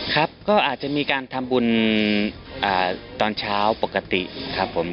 ครับก็อาจจะมีการทำบุญตอนเช้าปกติครับผม